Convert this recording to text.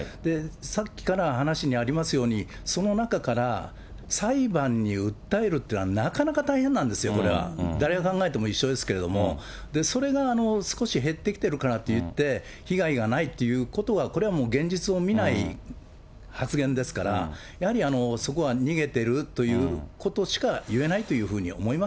さっきから話にありますように、その中から裁判に訴えるというのは、なかなか大変なんですよ、これは。誰が考えても一緒ですけれども。それが少し減ってきてるからといって、被害がないっていうことは、これはもう現実を見ない発言ですから、やはりそこは逃げてるということしか言えないというふうに思い